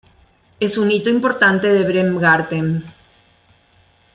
Es un hito importante de Bremgarten.